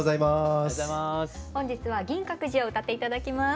本日は「銀閣寺」を歌って頂きます。